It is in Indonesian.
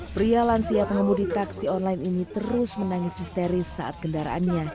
pria lansia pengemudi taksi online ini terus menangis histeris saat kendaraannya